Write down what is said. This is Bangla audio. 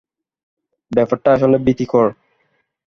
ব্যাপারটা আসলেই ভীতিকর।